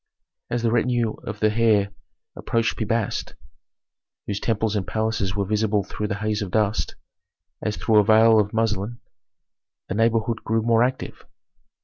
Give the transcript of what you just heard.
As the retinue of the heir approached Pi Bast, whose temples and palaces were visible through the haze of dust, as through a veil of muslin, the neighborhood grew more active.